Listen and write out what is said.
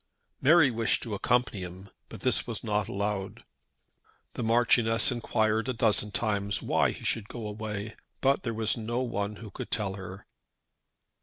Mary wished to accompany him; but this was not allowed. The Marchioness inquired a dozen times why he should go away; but there was no one who could tell her.